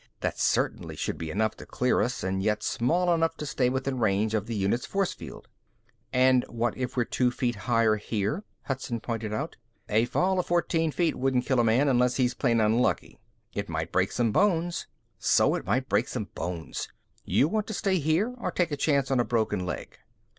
That certainly should be enough to clear us and yet small enough to stay within the range of the unit's force field." "And what if we're two feet higher here?" Hudson pointed out. "A fall of fourteen feet wouldn't kill a man unless he's plain unlucky." "It might break some bones." "So it might break some bones. You want to stay here or take a chance on a broken leg?"